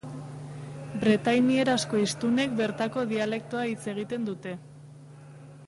Bretainierazko hiztunek bertako dialektoa hitz egiten dute.